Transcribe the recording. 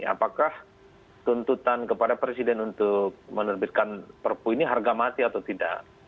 apakah tuntutan kepada presiden untuk menerbitkan perpu ini harga mati atau tidak